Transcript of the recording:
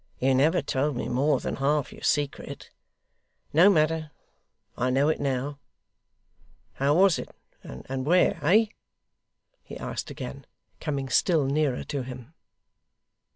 You never told me more than half your secret. No matter; I know it now. How was it, and where, eh?' he asked again, coming still nearer to him.